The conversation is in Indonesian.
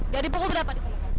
dari pukul berapa